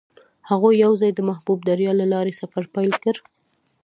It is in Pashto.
هغوی یوځای د محبوب دریا له لارې سفر پیل کړ.